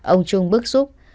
ông trung bức xúc